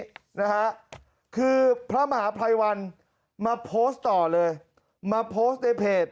นะฮะคือพระมหาภัยวันมาโพสต์ต่อเลยมาโพสต์ในเพจ